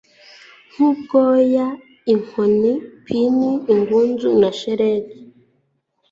nk'ubwoya. inkoni-pin ingunzu na shelegi